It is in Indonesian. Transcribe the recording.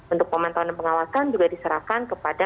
untuk pemantauan dan pengawasan juga diserahkan kepada